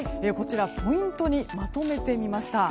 ポイントにまとめてみました。